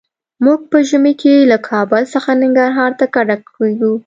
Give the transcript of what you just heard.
موږ په ژمي کې له کابل څخه ننګرهار ته کډه کيږو.